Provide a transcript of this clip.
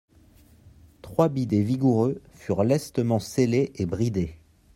Trois bidets vigoureux furent lestement sellés et bridés.